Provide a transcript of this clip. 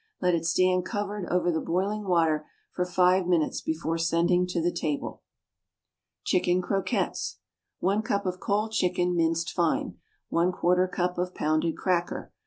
Let it stand covered over the boiling water for five minutes before sending to the table. Chicken Croquettes. One cup of cold chicken, minced fine. One quarter cup of pounded cracker.